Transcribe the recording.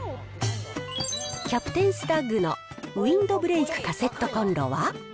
キャプテンスタッグのウィンドブレイクカセットコンロは。